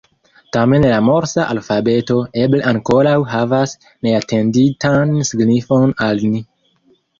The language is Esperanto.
Tamen la morsa alfabeto eble ankoraŭ havas neatenditan signifon al ni.